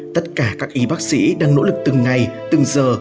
tất cả các y bác sĩ đang nỗ lực từng ngày từng giờ